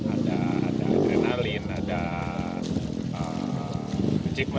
ada adrenalin ada kejadian yang kita kejar